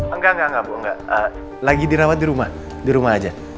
enggak enggak bu enggak lagi dirawat di rumah di rumah aja